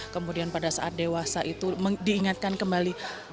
kemudian pada saat dewasa itu diingatkan kembali